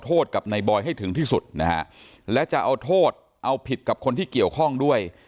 กับในบอยให้ถึงที่สุดนะฮะและจะเอาโทษเอาผิดกับคนที่เกี่ยวข้องด้วย